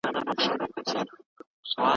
مولانا فرمایي: